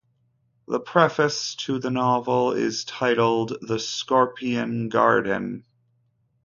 The preface to the novel is titled "The Scorpion Garden".